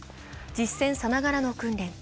実戦さながらの訓練。